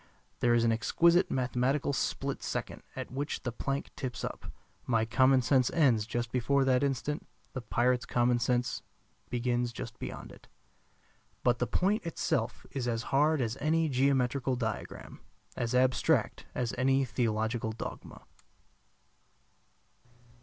There is an exquisite mathematical split second at which the plank tips up. My common sense ends just before that instant; the pirate's common sense begins just beyond it. But the point itself is as hard as any geometrical diagram; as abstract as any theological dogma.